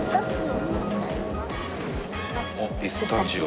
ピスタチオ。